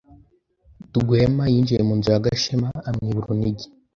Rwema yinjiye mu nzu ya Gashema amwiba urunigi.